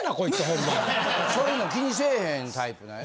そういうの気にせえへんタイプなんやな。